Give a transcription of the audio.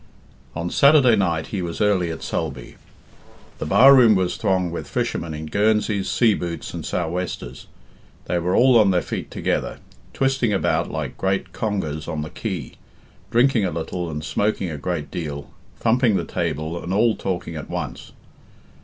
On Saturday night he was early at Sulby. The bat room was thronged with fishermen in guernseys, sea boots, and sou' westers. They were all on their feet together, twisting about like great congers on the quay, drinking a little and smoking a great deal, thumping the table, and all talking at once.